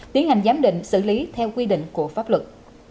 tiến hành giám định xử lý theo quy định của pháp luật